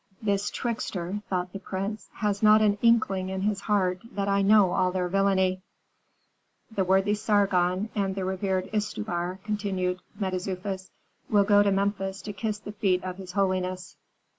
"This trickster," thought the prince, "has not an inkling in his heart that I know all their villainy." "The worthy Sargon and the revered Istubar," continued Mentezufis, "will go to Memphis to kiss the feet of his holiness.